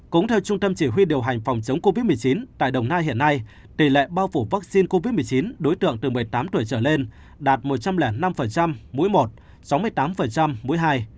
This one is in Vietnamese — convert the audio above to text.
cũng theo trung tâm chỉ huy điều hành phòng chống covid một mươi chín tại đồng nai hiện nay tỷ lệ bao phủ vaccine covid một mươi chín đối tượng từ một mươi tám tuổi trở lên đạt một trăm linh năm mũi một sáu mươi tám mũi hai